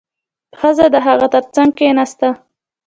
ښځه د هغه تر څنګ کېناسته.